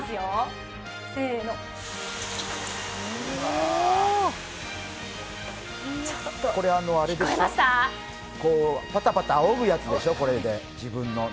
せーのこれあれでしょ、パタパタあおぐやつでしょ、自分の。